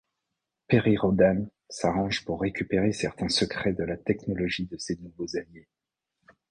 Perry Rhodan s'arrange pour récupérer certains secrets de la technologie de ses nouveaux alliés.